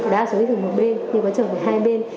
đa số đi từ một bên nhưng có trường hợp với hai bên